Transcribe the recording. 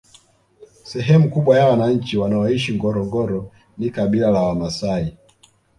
Sehemu kubwa ya wananchi wanaoishi ngorongoro ni kabila la wamaasai